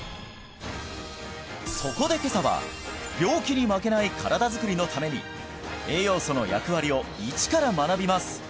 そこで今朝は病気に負けない身体づくりのために栄養素の役割を一から学びます！